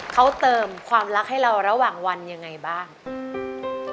เขาเติมความรักให้เราระหว่างวันยังไงบ้างอืม